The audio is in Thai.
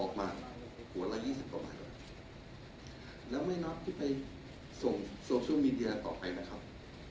หัวละยี่สิบกว่าบาทแล้วไม่รับที่ไปส่งโซเชียลมีเดียต่อไปนะครับ